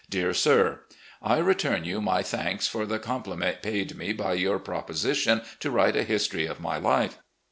"Dear Sir: I return you my thanks for the compli ment paid me by your proposition to write a history of my life.